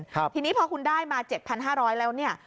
ทีนี้พอคุณได้มา๗๕๐๐แล้วเนี่ย